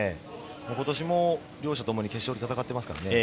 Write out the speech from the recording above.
今年も両者ともに決勝で戦っていますからね。